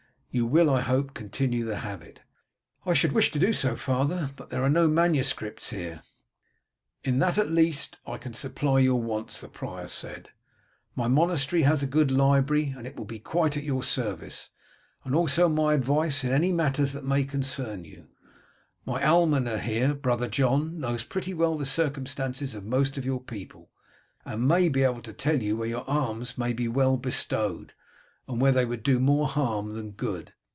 You will, I hope, continue the habit." "I should wish to do so, father, but there are no manuscripts here." "In that at least I can supply your wants," the prior said. "My monastery has a good library, and it will be quite at your service, and also my advice in any matters that may concern you. My almoner here, brother John, knows pretty well the circumstances of most of your people, and may be able to tell you where your alms may be well bestowed, and where they would do more harm than good.